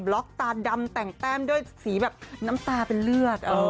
ล็อกตาดำแต่งแต้มด้วยสีแบบน้ำตาเป็นเลือด